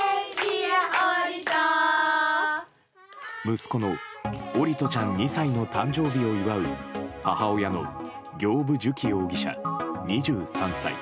息子の桜利斗ちゃん、２歳の誕生日を祝う母親の行歩寿希容疑者、２３歳。